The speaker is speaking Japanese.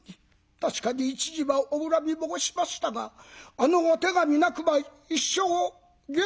確かに一時はお恨み申しましたがあのお手紙なくば一生下男で終わりましたろうに。